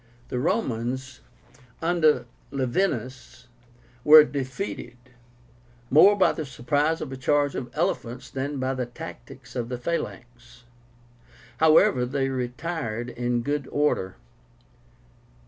The Romans, under LAEVÍNUS, were defeated, more by the surprise of a charge of elephants than by the tactics of the phalanx. However, they retired in good order.